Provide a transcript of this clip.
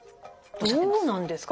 どうなんですか？